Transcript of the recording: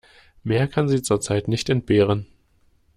Mehr kann sie zurzeit nicht entbehren.